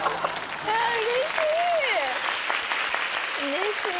うれしい！